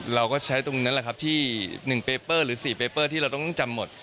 เราก็ใช้ตรงนั้นแหละครับที่๑เปเปอร์หรือ๔เปเปอร์ที่เราต้องจำหมด